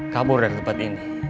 kabur dari tempat ini